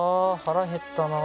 腹減ったな。